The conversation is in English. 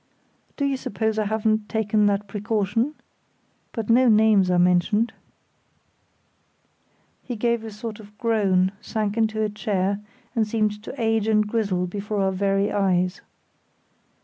"Do you suppose I haven't taken that precaution? But no names are mentioned." He gave a sort of groan, sank into a chair, and seemed to age and grizzle before our very eyes.